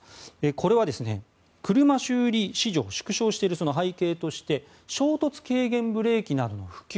これは車修理市場が縮小している背景として衝突軽減ブレーキなどの普及。